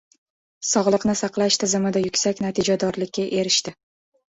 Sog‘liqni saqlash tizimida yuksak natijadorlikka erishdi.